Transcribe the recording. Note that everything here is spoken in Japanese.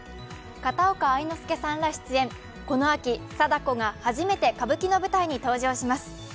片岡愛之助さんら出演、この夏貞子が初めて歌舞伎の舞台に登場します。